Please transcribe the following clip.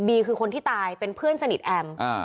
คือคนที่ตายเป็นเพื่อนสนิทแอม